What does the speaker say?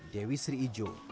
dewi sri ijo